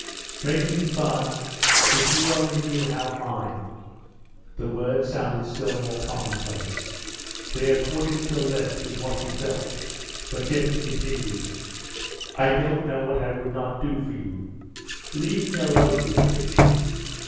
'Making fun? If you only knew how I ' The words sounded still more commonplace, they accorded still less with what he felt, but yet he continued, 'I don't know what I would not do for you ' 'Leave me alone, you pitch!'